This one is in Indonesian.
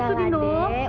udah lah deh